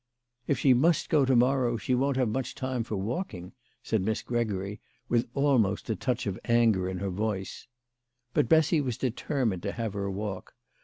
" If she must go to morrow, she won't have much time for walking," said Miss Gregory, with almost a touch of anger in her voice. But Bessy was determined to have her walk.